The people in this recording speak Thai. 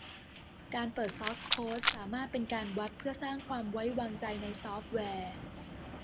การเปิดซอร์สโค้ดสามารถเป็นการวัดเพื่อสร้างความไว้วางใจในซอฟต์แวร์